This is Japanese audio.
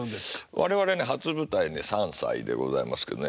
我々ね初舞台ね３歳でございますけどね。